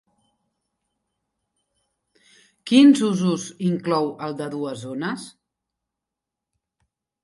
Quins usos inclou el de dues zones?